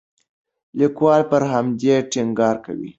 لیکوال پر همدې ټینګار کوي.